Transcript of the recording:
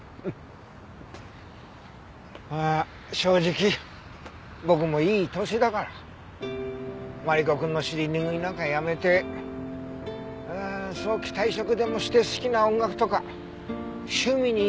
ああ正直僕もいい年だからマリコくんの尻拭いなんかやめて早期退職でもして好きな音楽とか趣味に生きたいんだ。